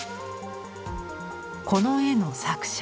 この絵の作者。